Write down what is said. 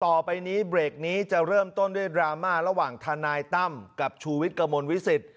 ต่อไปนี้เบรกนี้จะเริ่มต้นด้วยดราม่าระหว่างทนายตั้มกับชูวิทย์กระมวลวิสิต